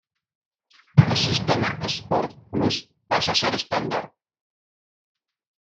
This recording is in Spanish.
El sistema Sport Plus pasa a ser estándar.